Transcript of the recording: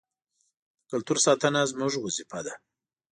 د کلتور ساتنه زموږ وظیفه ده.